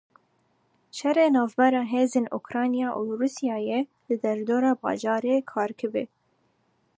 Şerê navbera hêzên Ukrayna û Rûsyayê li derdora bajarê Kharkivê.